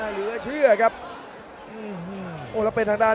หลือเชื่อครับอื้อฮือ